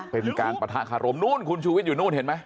เป็นการปะทะคารมนู้นคุณชูวิทย์อยู่นู่นเห็นไหม